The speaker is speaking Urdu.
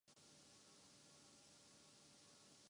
مرے چارہ گر کو نوید ہو صف دشمناں کو خبر کرو